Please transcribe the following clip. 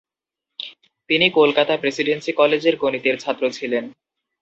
তিনি কলকাতা প্রেসিডেন্সি কলেজের গণিতের ছাত্র ছিলেন।